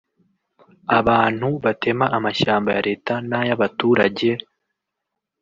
abantu batema amashyamba ya Leta n’aya baturage